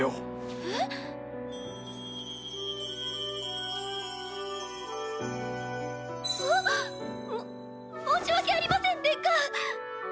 えっ？あっ！も申し訳ありません殿下！